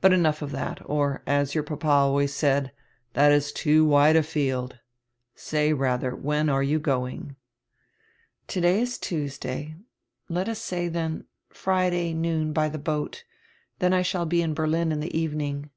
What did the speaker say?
But enough of that, or, as your papa always said, 'that is too wide a field.' Say, rather, when you are going?" "Today is Tuesday. Let us say, then, Friday noon by die boat. Then I shall be in Berlin in the evening."